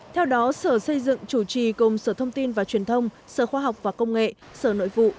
theo đó sở xây dựng chủ trì cùng sở thông tin và truyền thông sở khoa học và công nghệ sở nội vụ